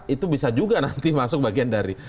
itu bisa juga nanti masuk bagian dari